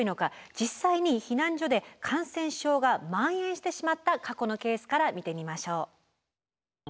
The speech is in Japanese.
実際に避難所で感染症がまん延してしまった過去のケースから見てみましょう。